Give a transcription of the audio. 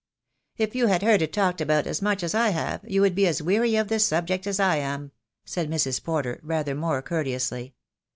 "If you had heard it talked about as much as I have you would be as weary of the subject as I am," said Mrs. Porter, rather more courteously.